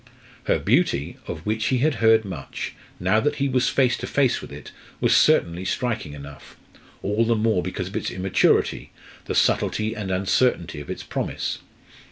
Her beauty, of which he had heard much, now that he was face to face with it, was certainly striking enough all the more because of its immaturity, the subtlety and uncertainty of its promise.